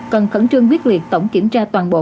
cần khẩn trương quyết liệt tổng kiểm tra toàn bộ